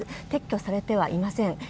撤去されてはいません。